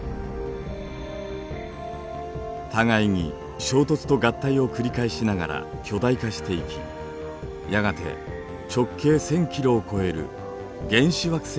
互いに衝突と合体を繰り返しながら巨大化していきやがて直径１，０００キロを超える原始惑星に成長。